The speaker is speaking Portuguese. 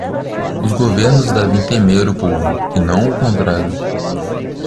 Os governos devem temer o povo, e não o contrário